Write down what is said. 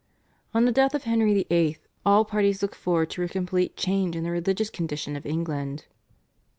On the death of Henry VIII. all parties looked forward to a complete change in the religious condition of England.